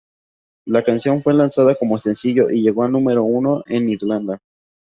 La canción fue lanzada como sencillo, y llegó a número uno en Irlanda.